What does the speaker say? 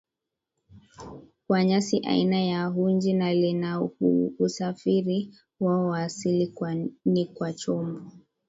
kwa nyasi aina ya hunji na lihanuUsafiri wao wa asili ni kwa chombo